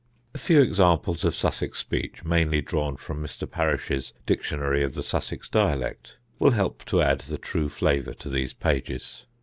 A few examples of Sussex speech, mainly drawn from Mr. Parish's Dictionary of the Sussex Dialect will help to add the true flavour to these pages.